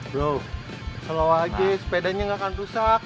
bro selawah aja sepedanya gak akan rusak